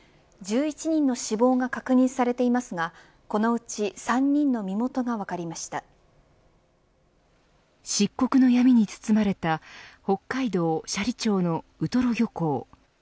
１１人の死亡が確認されていますがこのうち３人の身元が漆黒の闇に包まれた北海道斜里町のウトロ漁港。